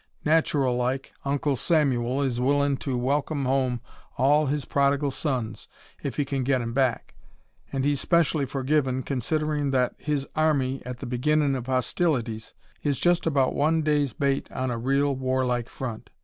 Natural like, Uncle Samuel is willin' to welcome home all his prodigal sons, if he can get 'em back, and he's specially forgivin' considerin' that his army at the beginnin' of hostilities is just about one day's bait on a real war like front.